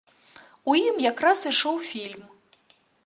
У ім якраз ішоў фільм.